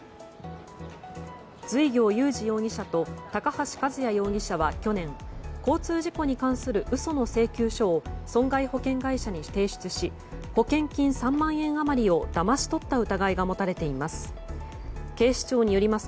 随行勇治容疑者と高橋和也容疑者は去年交通事故に関する嘘の請求書を損害保険会社に提出し保険金３万円余りをだまし取った疑いが持たれています。